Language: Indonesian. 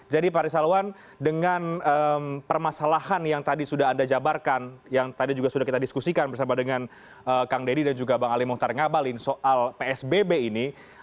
jadi pak risalwan dengan permasalahan yang tadi sudah anda jabarkan yang tadi juga sudah kita diskusikan bersama dengan kang dedi dan juga bang ali mohtar ngabalin soal psbb ini